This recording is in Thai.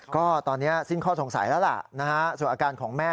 ก็ตอนนี้สิ้นข้อสงสัยแล้วล่ะนะฮะส่วนอาการของแม่